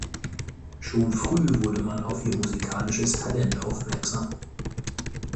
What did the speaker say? Schon früh wurde man auf ihr musikalisches Talent aufmerksam.